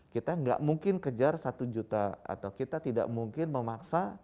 kita nggak mungkin kejar satu juta atau kita tidak mungkin memaksa